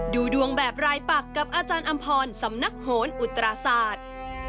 ดูดวงแบบรายปักกับอาจารย์อำพรสำนักโหนอุตราศาสตร์